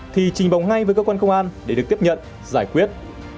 thì trình báo ngay với cơ quan công an để được tiếp nhận giải quyết